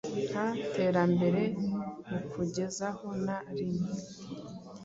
nta terambere bukugezaho na rimwe